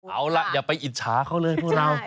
เอาล่ะอย่าไปอิจฉาเขาเลยพวกเรา